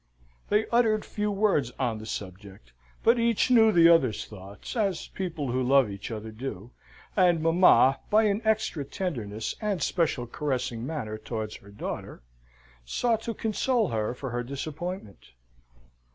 They uttered few words on the subject, but each knew the other's thoughts as people who love each other do; and mamma, by an extra tenderness and special caressing manner towards her daughter, sought to console her for her disappointment.